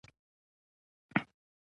غزني د افغان ښځو په ژوند کې رول لري.